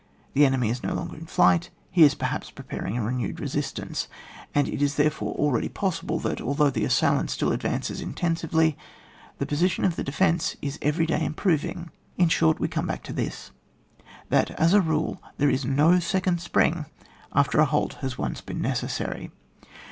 The enemy is no longer in flight, he is perhaps preparing a renewed resistance, and it is therefore already possible that, although the assailant still advances in tensively, the position of the defence is every day improving. In short, we come back to this, that, as a rule, there is no second spring after a halt has once been necessary.